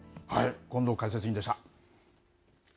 権藤解説委員でした。